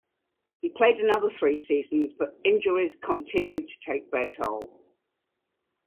He played another three seasons, but injuries continued to take their toll.